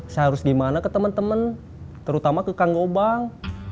saya harus gimana ke teman teman terutama ke kang gobang